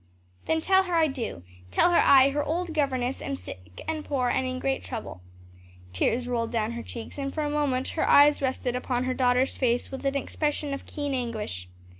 "Then tell her I do; tell her I, her old governess, am sick and poor and in great trouble." Tears rolled down her cheeks and for a moment her eyes rested upon her daughter's face with an expression of keen anguish.